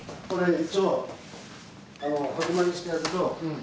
これ。